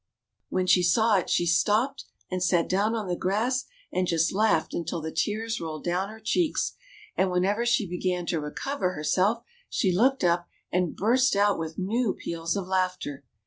AVhen she saw it, she stopped and sat down on the grass, and just laughed until the tears rolled down her cheeks ; and whenever she began to recover herself she looked up and burst out with new peals of laughter.